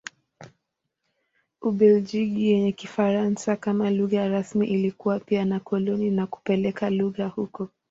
Ubelgiji yenye Kifaransa kama lugha rasmi ilikuwa pia na koloni na kupeleka lugha huko.